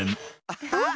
アハッ！